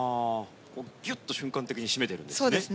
ギュッと瞬間的に締めてるんですね。